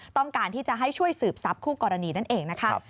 ต้องการที่จะให้ช่วยสืบทรัพย์คู่กรณีนั่นเองนะคะ